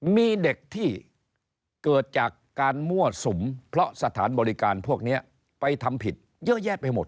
มีเด็กที่เกิดจากการมั่วสุมเพราะสถานบริการพวกนี้ไปทำผิดเยอะแยะไปหมด